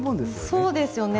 そうですよね。